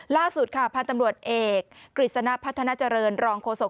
ล่าสุดค่ะพันธ์ตำรวจเอกกฤษณะพัฒนาเจริญรองโฆษก